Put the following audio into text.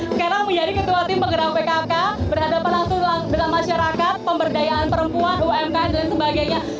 sekarang menjadi ketua tim penggerak pkk berhadapan langsung dengan masyarakat pemberdayaan perempuan umkm dan sebagainya